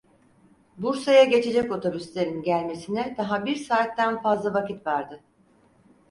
Bursa'ya geçecek otobüslerin gelmesine daha bir saatten fazla vakit vardı…